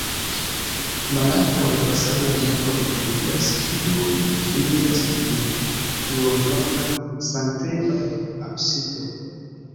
Malantaŭ la fasado la navo etendiĝas, kiu finiĝas en duonronda sanktejo aŭ absido.